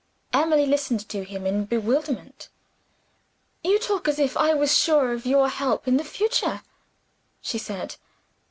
Emily listened to him in bewilderment. "You talk as if I was sure of your help in the future," she said.